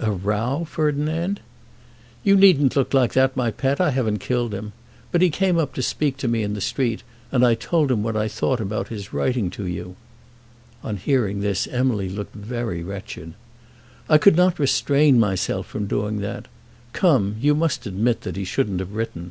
"A row, Ferdinand!" "You needn't look like that, my pet. I haven't killed him. But he came up to speak to me in the street, and I told him what I thought about his writing to you." On hearing this Emily looked very wretched. "I could not restrain myself from doing that. Come; you must admit that he shouldn't have written."